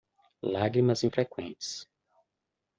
Lágrimas infreqüentes